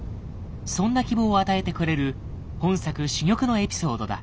そんな希望を与えてくれる本作珠玉のエピソードだ。